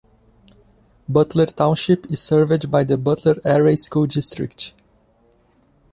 Butler Township is served by the Butler Area School District.